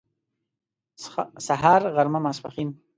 سهار غرمه ماسپښين